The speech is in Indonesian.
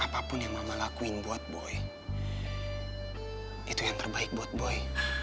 apapun yang mama lakuin buat boy itu yang terbaik buat boy